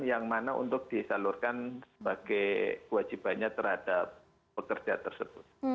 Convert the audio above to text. yang mana untuk disalurkan sebagai kewajibannya terhadap pekerja tersebut